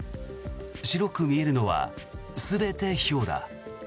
白く見えるのは全てひょうだ。